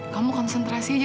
kamu konsentrasi aja